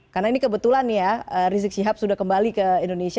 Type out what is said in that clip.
karena ini kebetulan ya rizik syihab sudah kembali ke indonesia